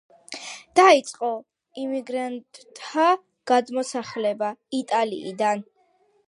დაიწყო იმიგრანტთა გადმოსახლება იტალიიდან.